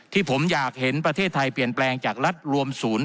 ที่ผมอยากเห็นประเทศไทยเปลี่ยนแปลงจากรัฐรวมศูนย์